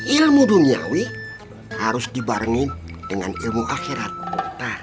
ilmu duniawi harus dibarengi dengan ilmu akhirat